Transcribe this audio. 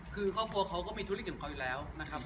คือครอบครัวเขาก็มีธุรกิจของเขาอยู่แล้วนะครับ